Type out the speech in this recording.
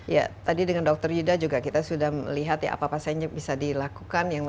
ya tadi dengan dr yuda juga kita sudah melihat ya apa apa saja yang bisa dilakukan